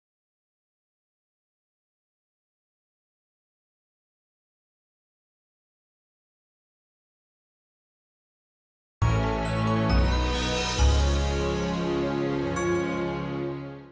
nggak ada yang ngejepit